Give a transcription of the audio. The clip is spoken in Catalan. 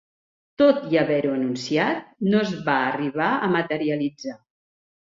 Tot i haver-ho anunciat, no es va arribar a materialitzar.